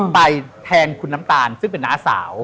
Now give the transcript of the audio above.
ไปแทนคุณน้ำตาลซึ่งเป็นน้าสาว